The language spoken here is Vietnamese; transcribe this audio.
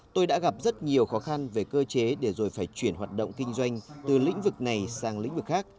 tôi đã gặp rất nhiều khó khăn về cơ chế để rồi phải chuyển hoạt động kinh doanh từ lĩnh vực này sang lĩnh vực khác